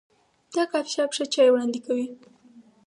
دا کافي شاپ ښه چای وړاندې کوي.